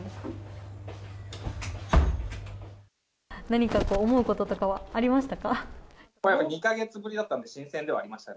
何か思うこととかはありましたか？